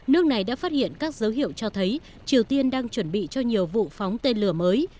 nước này đã phát hiện các dấu hiệu cho thấy triều tiên đang chuẩn bị cho nhiều vụ phóng tên lửa mới